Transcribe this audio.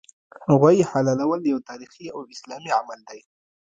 غوايي حلالول یو تاریخي او اسلامي عمل دی